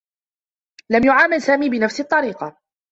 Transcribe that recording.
لم يُعامَل سامي بنفس الطّريقة.